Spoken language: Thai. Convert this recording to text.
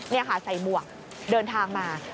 นี่ค่ะใส่หมวกเดินทางมา